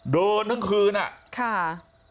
เดินทั้งคืนค่ะ